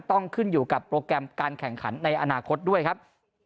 ต้องขึ้นอยู่กับโปรแกรมการแข่งขันในอนาคตด้วยครับ